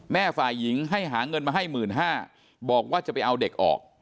ฝ่ายหญิงให้หาเงินมาให้๑๕๐๐บาทบอกว่าจะไปเอาเด็กออก